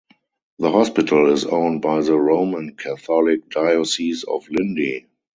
The hospital is owned by the Roman Catholic Diocese of Lindi.